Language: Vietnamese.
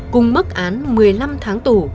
cùng mức án một mươi năm tháng tù